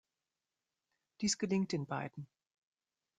Dies gelingt den beiden.